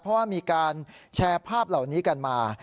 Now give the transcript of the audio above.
เพราะว่ามีการแชร์ภาพเหล่านี้กันมา